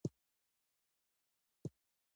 د شېدو چای، پراټې او وطني پېروی خوړلی،